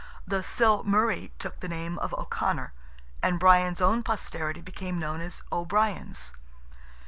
the Sil Murray took the name of O'Conor, and Brian's own posterity became known as O'Briens.